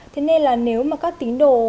thế nên là nếu mà các tín đồ